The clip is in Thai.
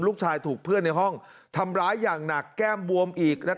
ลูกชายถูกเพื่อนในห้องทำร้ายอย่างหนักแก้มบวมอีก